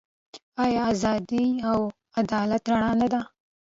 آیا د ازادۍ او عدالت رڼا نه ده؟